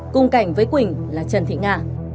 cùng cảnh với quỳnh là trần thị nga